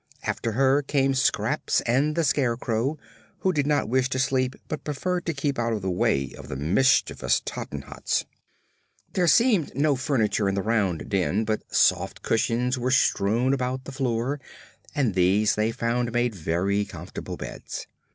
After her came Scraps and the Scarecrow, who did not wish to sleep but preferred to keep out of the way of the mischievous Tottenhots. There seemed no furniture in the round den, but soft cushions were strewn about the floor and these they found made very comfortable beds.